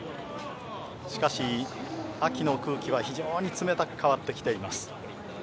しかし、秋の空気は非常に冷たく変わってきています。